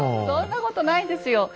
そんなことないですよ。